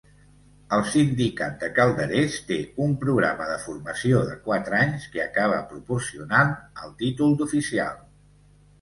El sindicat de calderers té un programa de formació de quatre anys que acaba proporcionant el títol d'oficial.